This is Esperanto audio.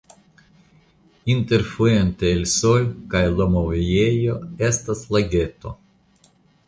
Inter Fuente el Sol kaj Lomoviejo estas lageto.